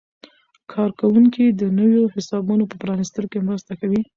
کارکوونکي د نویو حسابونو په پرانیستلو کې مرسته کوي.